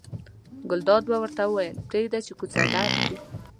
ګلداد به ورته ویل پرېږده یې کوڅه ډب دي.